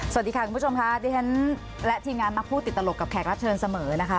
สวัสดีค่ะคุณผู้ชมค่ะดิฉันและทีมงานมาพูดติดตลกกับแขกรับเชิญเสมอนะคะ